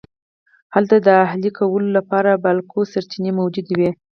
هلته د اهلي کولو لپاره بالقوه سرچینې موجودې وې